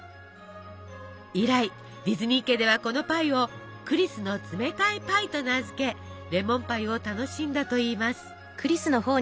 以来ディズニー家ではこのパイを「クリスの冷たいパイ」と名付けレモンパイを楽しんだといいます。